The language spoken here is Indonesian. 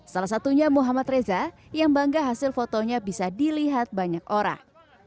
salah satunya muhammad reza yang bangga hasil fotonya bisa dilihat banyak orang